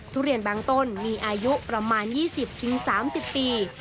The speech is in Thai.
ทุเรียนบางต้นมีอายุประมาณ๒๐๓๐ปี